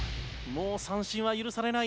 もう三振は許されない。